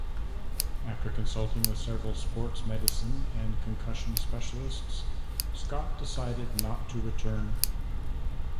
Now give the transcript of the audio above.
After consulting with several sports medicine and concussion specialists Scott decided not to return.